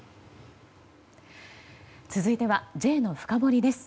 続いてはＪのフカボリです。